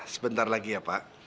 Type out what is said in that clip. sebentar lagi ya pak